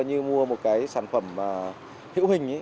như mua một cái sản phẩm hiệu hình